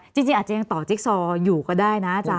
จริงอาจจะยังต่อจิ๊กซออยู่ก็ได้นะอาจาร